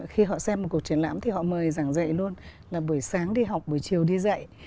khi họ xem một cuộc triển lãm thì họ mời giảng dạy luôn là buổi sáng đi học buổi chiều đi dạy